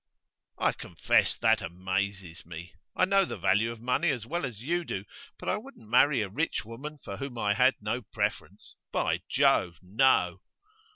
'I confess that amazes me. I know the value of money as well as you do, but I wouldn't marry a rich woman for whom I had no preference. By Jove, no!